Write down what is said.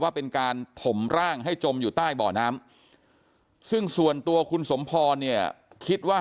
ว่าเป็นการถมร่างให้จมอยู่ใต้เบาะน้ำซึ่งส่วนตัวคุณสมพรเนี่ยคิดว่า